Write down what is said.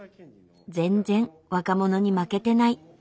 全然若者に負けてない。